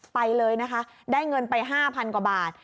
ไปเลยนะคะได้เงินไป๕๐๐กว่าบาท